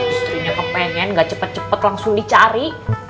istrinya kepengen gak cepet cepet langsung dicari